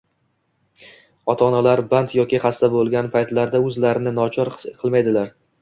ota-onalari band yoki xasta bo‘lgan paytlarda o‘zlarini nochor his qilmaydilar.